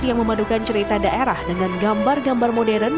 yang memadukan cerita daerah dengan gambar gambar modern